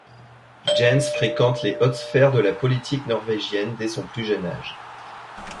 Jens fréquente les hautes sphères de la politique norvégienne dès son plus jeune âge.